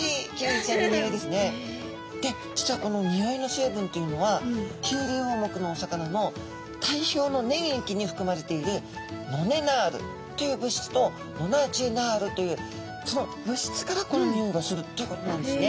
実はこの匂いの成分っていうのはキュウリウオ目のお魚の体表の粘液に含まれているノネナールという物質とノナジエナールというその物質からこの匂いがするということなんですね。